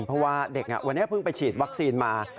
เพราะว่าเด็กวันนี้เพิ่งไปฉีดวัคซีนมา